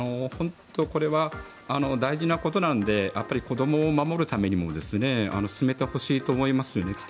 これは大事なことなので子どもを守るためにも進めてほしいと思いますよね。